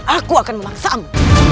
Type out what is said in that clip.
aku akan memaksamu